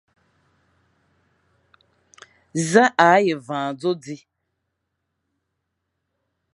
Za a ye van adzo di ?